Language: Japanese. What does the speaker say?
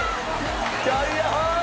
キャリアハーイ！